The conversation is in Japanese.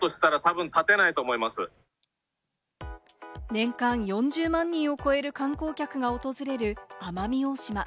年間４０万人を超える観光客が訪れる奄美大島。